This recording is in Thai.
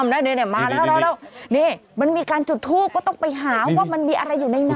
แล้วมาแล้วนี่มันมีการจุดทูปก็ต้องไปหาว่ามันมีอะไรอยู่ในนั้น